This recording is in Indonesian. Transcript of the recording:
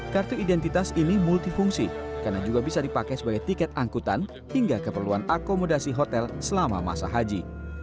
kartu identitas ini multifungsi karena juga bisa dipakai sebagai tiket angkutan hingga keperluan akomodasi hotel selama masa haji